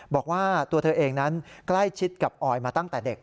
บอกว่าตัวเธอเองนั้นใกล้ชิดกับออยมาตั้งแต่เด็ก